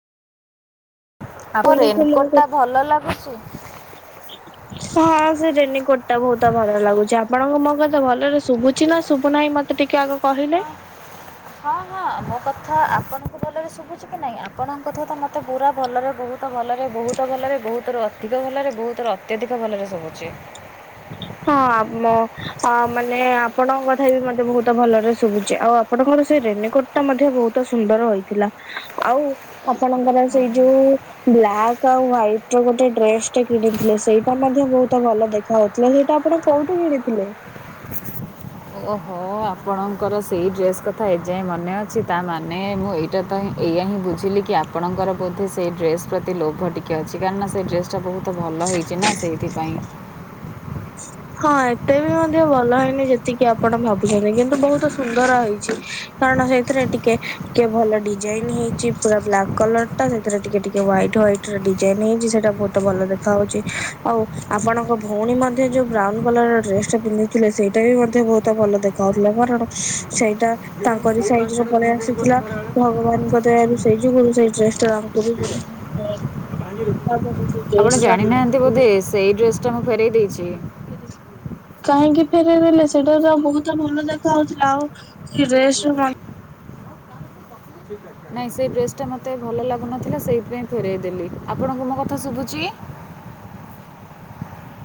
ମୋ ଆପଣଙ୍କୁ ରେନ୍କୋଟ ଟା କଥା ଭଲ ଲାଗୁଚି? [inaudible] ହଁ ସେ ରେନି କୋଟ ଟା ବହୁତ ଭଲ ଲାଗୁଛି ଆପଣଙ୍କ ମୋ କଥା ଭଲରେ ଶୁଭୁଛି ନା ଶୁଭୁନାହିଁ ମତେ ଟିକି ଆଗ କହିଲେ ହଁ ହଁ ହଁ ମୋ କଥା ଆପଣଙ୍କୁ ଭଲରେ ଶୁଭୁଛି କି ନାହିଁ ଆପଣଙ୍କ କଥା ତ ମତେ ପୁରା ଭଲରେ ବହୁତ ତ ଭଲରେ ବହୁତ ଭଲରେ ବହୁତ ର ଅଧିକ ଭଲରେ ବହୁତ ର ଅତ୍ୟଧିକ ଭଲରେ ସବୁଛି। ହଁ ମୁ ଅ ମାନେ ଆପଣଙ୍କ କଥା ବି ମତେ ବହୁତ ଭଲରେ ଶୁଭୁଛି ଆଉ ଆପଣଙ୍କର ସେ ରେନକୋଟ ମଧ୍ୟ ବହୁତ ସୁନ୍ଦର ହୋଇଥିଲା ଆଉ ଆପଣଙ୍କର ସେଇ ଯୋଉ ବ୍ଲାକ୍ ଆଉ ହ୍ଵାଇଟ ର ଗୋଟେ ଡ୍ରେସ ଟେ କିଣିଥିଲେ ସେଇଟା ମଧ୍ୟ ବହୁତ ଭଲ ଦେଖା ହଉ ସେଇଟା ଆପଣ କୋଉଠୁ ଭିଣି ଥିଲେ? ଓହୋ ଆପଣଙ୍କର ସେଇ ଡ୍ରେସ୍ କଥା ଏଯାଏଁ ମନେ ଅଛି ତାମାନେ ମୁଁ ଏଇ ଏଇଟା ତ ହିଁ ଏଇା ହିଁ ବୁଝିଲି କି ଆପଣଙ୍କର ବୋଧେ ସେଇ ଡ୍ରେସ ପ୍ରତି ଲୋଭ ଟିକେ ଅଛି କାରଣ ନା ସେ ଡ୍ରେସ୍ ଚ ବହୁତ ଭଲ ହେଇଛି ନା ସେଇଥିପାଇଁ। ହଁ ଏତେ ବି ମଧ୍ୟ ଭଲ ହେଇନି ଯେତିକି ଆପଣ ଭାବୁଛନ୍ତି କିନ୍ତୁ ବହୁତ ସୁନ୍ଦର ହେଇଛି। କାରଣ ସେଥିରେ ଟିକେ ଟିକେ ଭଲ ଡିଜାଇନ ହେଇଛି ପୁରା ବ୍ଲାକ୍ କଲର ଟ ସେଥିରେ ଟିକେ ଟିକେ ହ୍ୱାଇଟ ହ୍ଇଟ ଡିଜାଇନ ହେଇଛି ସେଇଟା ବହୁତ ଭଲ ଦେଖା ହଉଛି ଆଉ ଆପଣଙ୍କ ଭଉଣୀ ମଧ୍ୟ ଯୋଉ ବ୍ରାଉନ କଲର ଡ୍ରେସ ଟା ପିନ୍ଧିଥିଲେ ସେଇଟା ବି ମଧ୍ୟ ବହୁତ ଭଲ ଦେଖାଉଥିଲା କାରଣ ସେଇଟା ଏଇଟା ମୁଁ ତାଙ୍କରି କୋଉ ସାଇଜ ର ଗାମୁଛାଟା ପିନ୍ଧି ପଳେଇ ଦେବି କହିଲୁ ଆସିଥିଲା ଖରାବେଳେ? ଭଗବାନଙ୍କ ଦୟାରୁ ସେଇ ଯୁଗୁରୁ ସେଇ ଡ୍ରେସ ଟା ଏଇଟା। ତାମ ହବ ରୋଷେଇ ଆପଣ ଜାଣିନାହାନ୍ତି ବୋଧେ ସେଇ ଡ୍ରେସ ଟା ମୁଁ ଫେରଇ ଦେଇଚି। କାହିଁକି ଫେରେଇ ଦେଲେ ସେଇଟା ତ ବହୁତ ଭଲ ଦେଖା ହଉଥିଲା ଆଉ ସେଇ ଡ୍ରେସ ଟା ମା ନାଇଁ ସେଇ ଡ୍ରେସ୍ ଟା ମୋତେ ଭଲ ଲାଗୁନଥିଲା ସେଇପାଇଁ ଫେରଇ ଦେଲି ଆପଣଙ୍କୁ ମୋ କଥା ଶୁବୁଚି?